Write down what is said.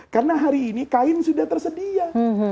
karena hari ini kain sudah tersedia